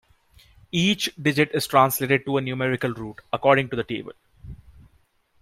Each digit is translated to a 'numerical root', according to the table.